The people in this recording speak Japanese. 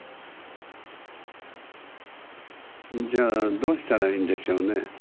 じゃあどうしたらいいんでしょうね。